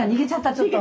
ちょっと！